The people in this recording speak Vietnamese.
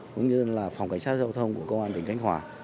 cũng như là phòng cảnh sát giao thông của công an